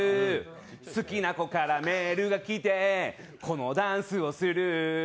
好きな子からメールが来てこのダンスをする。